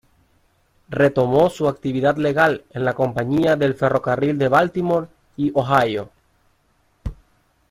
Retomó su actividad legal en la Compañía de Ferrocarril de Baltimore y Ohio.